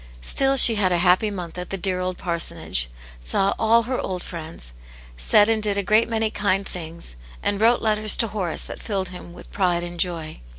Still she had a happy month at the dear old parsonage, saw all her old friends, said and did a great many kind things, and wrote letters to Horace that filled him. with pride and joy.